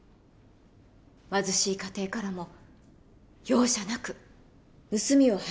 貧しい家庭からも容赦なく盗みを働いてきた。